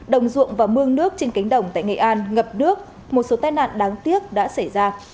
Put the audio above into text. đồng ruộng và mương nước trên cánh đồng tại nghệ an ngập nước một số tai nạn đáng tiếc đã xảy ra